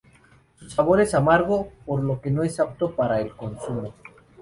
Su sabor es amargo, por lo que no es apto para el consumo.